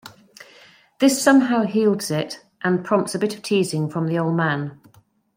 This somehow heals it, and prompts a bit of teasing from the old man.